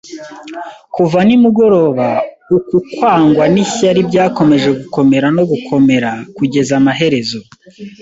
kuva nimugoroba, uku kwangwa nishyari byakomeje gukomera no gukomera, kugeza amaherezo,